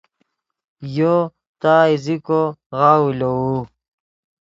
یو تا ایزیکو غاؤو لووے